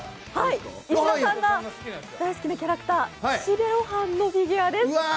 石田さんが大好きなキャラクター、岸辺露伴のフィギュアです。